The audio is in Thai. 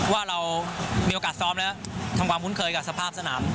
ว่าเรามีโอกาสซ้อมแล้วทำความคุ้นเคยกับสภาพสนาม